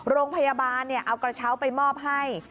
โรงพยาบาลเอากระเช้าไปมอบให้